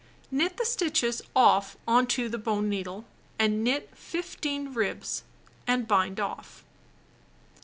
Knit the stitches off on to the bone needle and knit 15 ribs, and bind off.